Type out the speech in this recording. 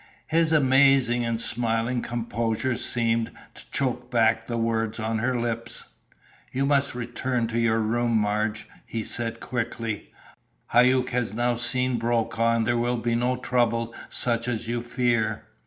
His amazing and smiling composure seemed to choke back the words on her lips. "You must return to your room, Marge," he said quickly. "Hauck has now seen Brokaw and there will be no trouble such as you fear.